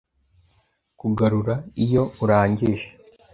Kugarura iyo urangije.